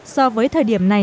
so với thời điểm này